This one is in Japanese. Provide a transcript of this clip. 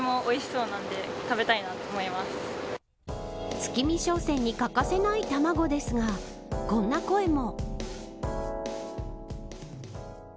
月見商戦に欠かせない卵ですがこんな声も。